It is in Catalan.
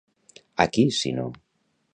A qui si no?